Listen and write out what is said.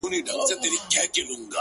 o غلطۍ کي مي د خپل حسن بازار مات کړی دی؛